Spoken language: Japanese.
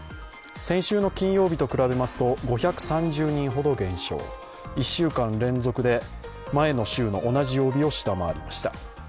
先週の金曜日と比べますと５３０人ほど減少、１週間連続で前の週の同じ曜日を下回りました。